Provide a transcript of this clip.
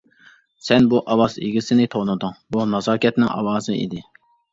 سەن بۇ ئاۋاز ئىگىسىنى تونۇدۇڭ، بۇ نازاكەتنىڭ ئاۋازى ئىدى.